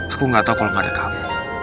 aku gak tau kalo gak ada kamu